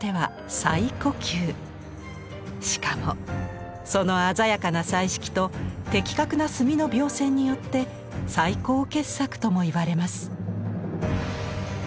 しかもその鮮やかな彩色と的確な墨の描線によって最高傑作とも言われます。